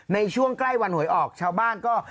ในช่วงใกล้วันหวยออกชาวบ้านก็